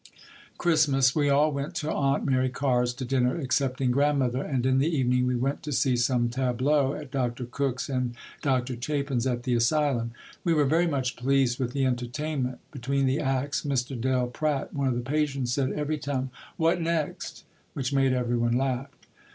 Christmas. We all went to Aunt Mary Carr's to dinner excepting Grandmother, and in the evening we went to see some tableaux at Dr. Cook's and Dr. Chapin's at the asylum. We were very much pleased with the entertainment. Between the acts Mr. del Pratt, one of the patients, said every time, "What next!" which made every one laugh.